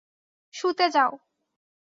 শুতে যাও।